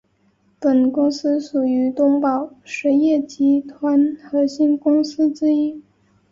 本公司属于东宝实业集团核心公司之一。